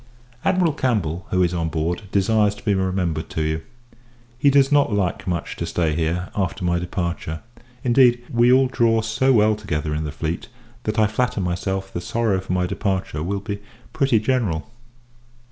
Admiral Campbell, who is on board, desires to be remembered to you. He does not like much to stay here, after my departure. Indeed, we all draw so well together in the fleet, that I flatter myself the sorrow for my departure will be pretty general.